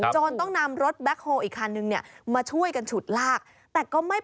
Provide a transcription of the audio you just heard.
จนต้องนำรถแบ๊กโฮลอีกคันนึงมาช่วยกันฉุดลาก